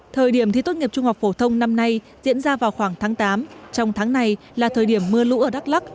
thời điểm thi tốt nghiệp trung học phổ thông năm nay diễn ra vào khoảng tháng tám trong tháng này là thời điểm mưa lũ ở đắk lắc